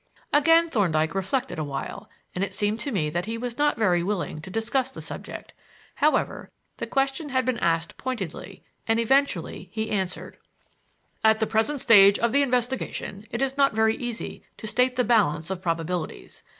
Again Thorndyke reflected awhile, and it seemed to me that he was not very willing to discuss the subject. However, the question had been asked pointedly, and eventually he answered: "At the present stage of the investigation it is not very easy to state the balance of probabilities.